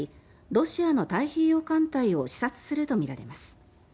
ロシアの太平洋艦隊を視察するとみられます。